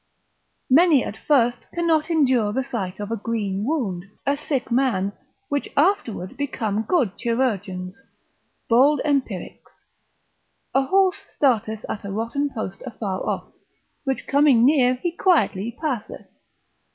Many at first cannot endure the sight of a green wound, a sick man, which afterward become good chirurgeons, bold empirics: a horse starts at a rotten post afar off, which coming near he quietly passeth.